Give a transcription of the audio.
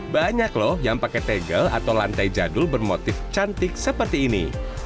banyak loh yang pakai tegel atau lantai jadul bermotif cantik seperti ini